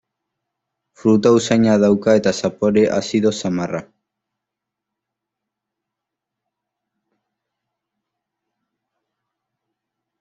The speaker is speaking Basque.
Fruta usaina dauka eta zapore azido samarra.